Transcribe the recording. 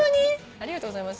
ありがとうございます。